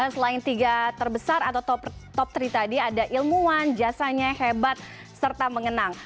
selain tiga terbesar atau top tiga tadi ada ilmuwan jasanya hebat serta mengenang